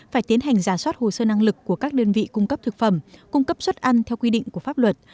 phải tiến hành giả soát hồ sơ năng lực của các đơn vị cung cấp thực phẩm cung cấp suất ăn theo quy định của pháp luật